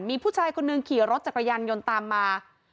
มีผู้ชายคนหนึ่งขี่รถจักรยานยนต์ตามมา